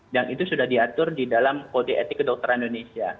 dan itu sudah diatur di dalam kode etik ke dokteran indonesia